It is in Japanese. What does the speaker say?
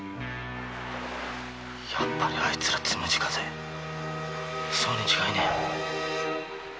やっぱりあいつら「つむじ風」そうに違いねえ。